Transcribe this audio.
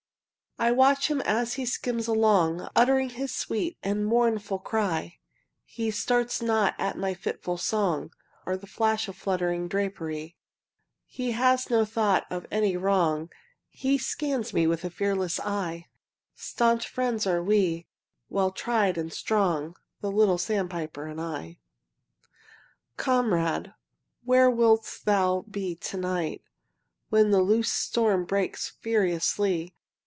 I watch him as he skims along, Uttering his sweet and mournful cry; He starts not at my fitful song, Or flash of fluttering drapery; He has no thought of any wrong; He scans me with a fearless eye. Stanch friends are we, well tried and strong, The little sandpiper and I. Comrade, where wilt thou be to night When the loosed storm breaks furiously?